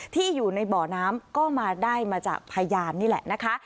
ที่อยู่ในบ่อน้ำก็มาได้มาจากพยานนี่แหละนะคะ